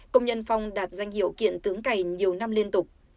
công nhân phong đạt danh hiệu kiện tướng cày nhiều năm liên tục